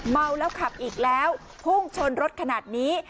เมาแล้วขับอีกแล้วพุ่งชนรถขนาดนี้